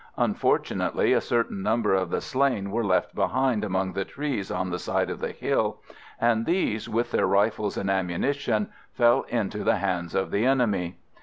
Unfortunately, a certain number of the slain were left behind among the trees on the side of the hill, and these, with their rifles and ammunition, fell into the hands of the enemy.